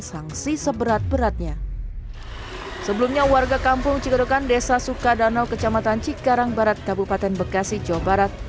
sangsi seberat beratnya sebelumnya warga kampung cikadokan desa sukadanau kecamatan cikarang barat